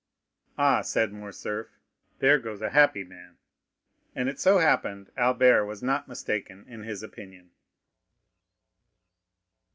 "Ah," said Morcerf, "there goes a happy man!" And it so happened Albert was not mistaken in his opinion.